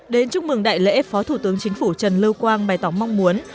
đến chúc mừng đại lễ phó thủ tướng chính phủ trần lưu quang bày tỏ mong muốn